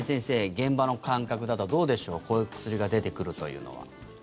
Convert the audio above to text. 現場の感覚だとどうでしょうこういう薬が出てくるというのは。